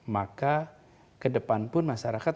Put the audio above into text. maka kedepan pun masyarakat